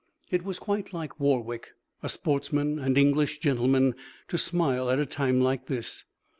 It was quite like Warwick, sportsman and English gentleman, to smile at a time like this.